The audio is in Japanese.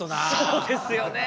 そうですよね。